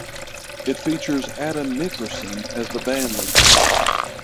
It features Adam Nickerson as the bandleader.